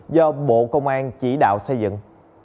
do bộ công an chỉ đạo xây dựng